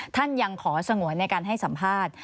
ท่านยังขอสงวนในการให้สัมภาษณ์